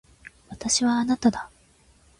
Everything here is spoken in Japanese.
私はあなただ。